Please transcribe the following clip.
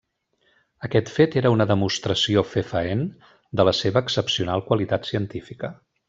Aquest fet era una demostració fefaent de la seva excepcional qualitat científica.